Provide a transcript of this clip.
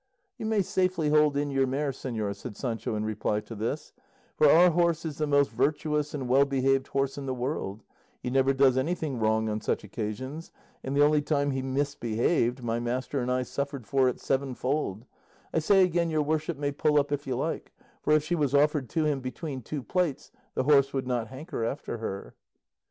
"You may safely hold in your mare, señor," said Sancho in reply to this, "for our horse is the most virtuous and well behaved horse in the world; he never does anything wrong on such occasions, and the only time he misbehaved, my master and I suffered for it sevenfold; I say again your worship may pull up if you like; for if she was offered to him between two plates the horse would not hanker after her."